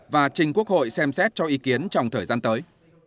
và trình quốc hội xem xét cho ý kiến trong thời gian tới